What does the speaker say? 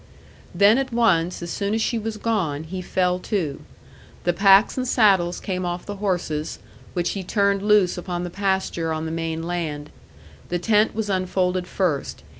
Then at once, as soon as she was gone, he fell to. The packs and saddles came off the horses, which he turned loose upon the pasture on the main land. The tent was unfolded first.